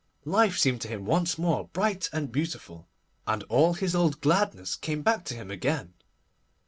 Life seemed to him once more bright and beautiful, and all his old gladness came back to him again.